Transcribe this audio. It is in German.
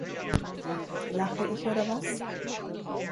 Lache ich, oder was?